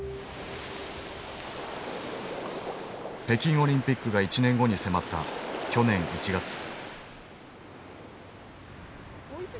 北京オリンピックが１年後に迫った去年１月。